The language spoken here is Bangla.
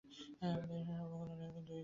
আমাদের ঈশ্বর সগুণ এবং নির্গুণ দুই-ই।